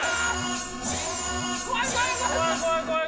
怖い怖い怖い怖い。